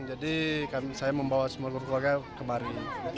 jadi saya membawa semua keluarga kemari